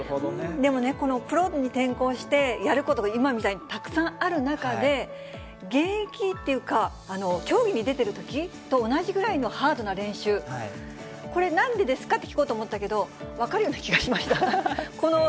でもね、プロに転向して、やることが今みたいにたくさんある中で、現役っていうか、競技に出ているときと同じぐらいのハードな練習、これ、なんでですかって聞こうと思ったけど、分かるような気がしました。